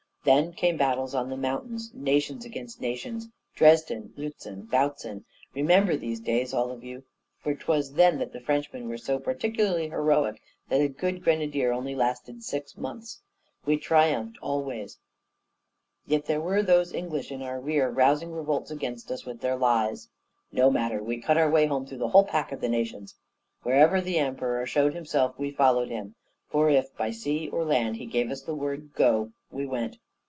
Then came battles on the mountains, nations against nations Dresden, Lützen, Bautzen. Remember these days, all of you, for 'twas then that Frenchmen were so particularly heroic that a good grenadier only lasted six months. We triumphed always; yet there were those English, in our rear, rousing revolts against us with their lies! No matter, we cut our way home through the whole pack of the nations. Wherever the Emperor showed himself we followed him; for if, by sea or land, he gave us the word 'Go!' we went.